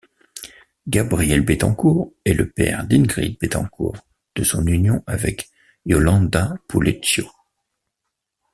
Gabriel Betancourt, est le père d´Íngrid Betancourt de son union avec Yolanda Pulecio.